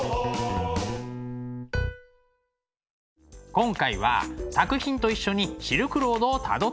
今回は作品と一緒にシルクロードをたどってみました。